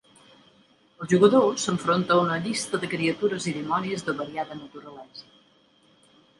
El jugador s'enfronta a una llista de criatures i dimonis de variada naturalesa.